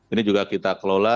ini juga kita kelola